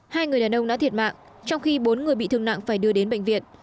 hai người đàn ông đã thiệt mạng trong khi bốn người bị thương nặng phải đưa đến bệnh viện